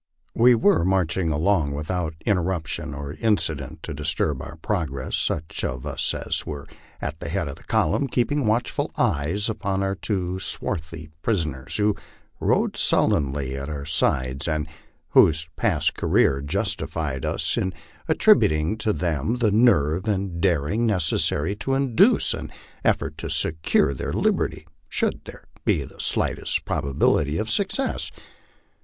We were marching along without in terruption or incident to disturb our progress, such of us as were at the head of the column keeping watchful eyes upon our two swarthy prisoners, who rode sullenly at our sides, and whose past career justified us in attrib uting to them the nerve and daring necessary to induce an effort to secure their liberty should there be the slightest probability of success.